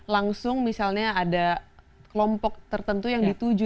langsung misalnya ada kelompok tertentu yang dituju